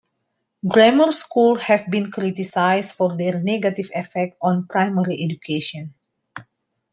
Grammar Schools have been criticised for their negative effect on primary education.